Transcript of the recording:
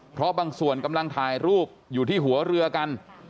เพราะบางส่วนกำลังถ่ายรูปอยู่ที่หัวเรือกัน